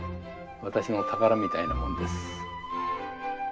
私の宝みたいなもんです。